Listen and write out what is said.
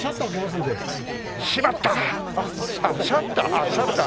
ああシャッター？